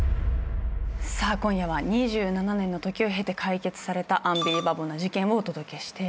さあ今夜は２７年の時を経て解決されたアンビリバボーな事件をお届けしています。